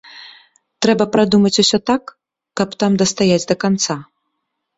Трэба прадумаць усё так, каб там дастаяць да канца.